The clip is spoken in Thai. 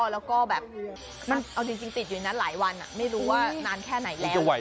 แล้วก็แบบมันเอาจริงติดอยู่นั้นหลายวันไม่รู้ว่านานแค่ไหนแล้ว